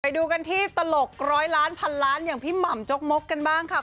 ดูกันที่ตลกร้อยล้านพันล้านอย่างพี่หม่ำจกมกกันบ้างค่ะ